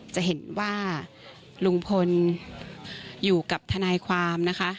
จะเห็นว่าลุงพลอยู่กับทนายความนะคะ